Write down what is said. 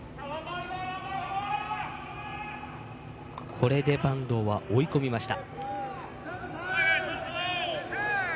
これで板東、追い込みました。